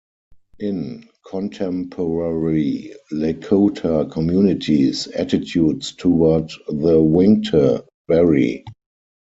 In contemporary Lakota communities, attitudes toward the "winkte" vary.